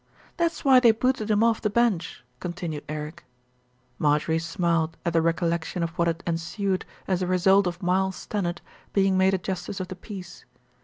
"That's why they booted him off the bench," con tinued Eric. Marjorie smiled at the recollection of what had ensued as a result of Miles Stannard being made a justice of the peace.